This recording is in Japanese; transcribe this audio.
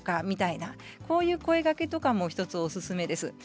みたいなこういう声がけとかも１つおすすめです。